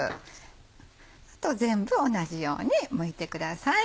あと全部同じようにむいてください。